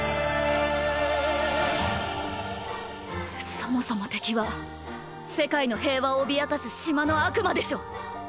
そもそも敵は世界の平和を脅かす島の悪魔でしょ？